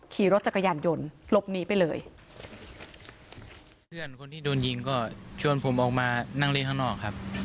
ขี่รถจักรยานยนต์หลบหนีไปเลยเพื่อนคนที่โดนยิงก็ชวนผมออกมานั่งเล่นข้างนอกครับ